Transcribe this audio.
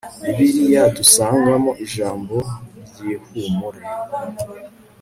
bibiliya dusangamo ijambo ryihumure